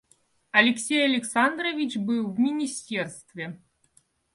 Алексей Александрович был в министерстве.